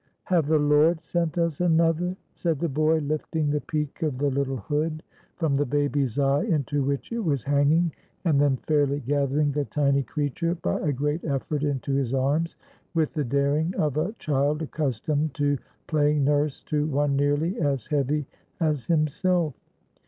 "Have the Lord sent us another?" said the boy, lifting the peak of the little hood from the baby's eye, into which it was hanging, and then fairly gathering the tiny creature, by a great effort, into his arms, with the daring of a child accustomed to playing nurse to one nearly as heavy as himself.